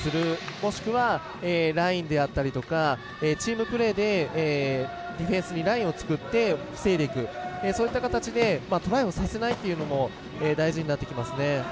もしくは、ラインであったりとかチームプレーでディフェンスにラインを作って防いでいく、そういった形でトライさせないのも大事になってきますね。